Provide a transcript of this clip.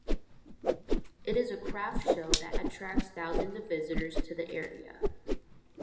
It is a craft show that attracts thousands of visitors to the area.